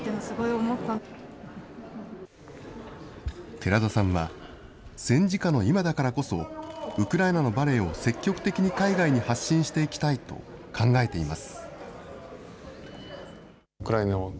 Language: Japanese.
寺田さんは、戦時下の今だからこそ、ウクライナのバレエを積極的に海外に発信していきたいと考えています。